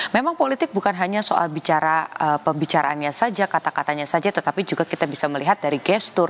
memang politik bukan hanya soal bicara pembicaraannya saja kata katanya saja tetapi juga kita bisa melihat dari gestur